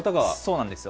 そうなんですよ。